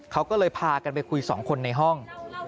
เขาก็เลยพากันไปคุยสองคนในห้อง